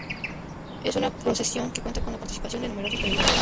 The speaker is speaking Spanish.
Es una procesión que cuenta con la participación de numerosos peregrinos.